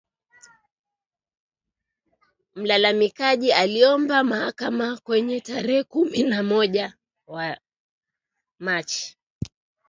Mlalamikaji aliomba mahakama hapo tarehe kumi na moja Machi